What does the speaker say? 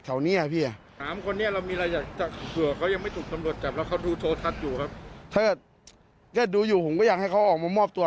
ถ้าเกิดดูอยู่ผมก็อยากให้เขาออกมามอบตัว